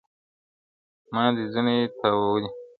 ما دي څڼي تاوولای.